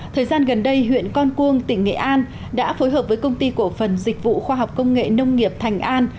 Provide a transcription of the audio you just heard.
thời gian gần đây huyện con cuông tỉnh nghệ an đã phối hợp với công ty cổ phần dịch vụ khoa học công nghệ nông nghiệp thành an